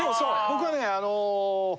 僕はね。